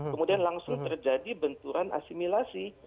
kemudian langsung terjadi benturan asimilasi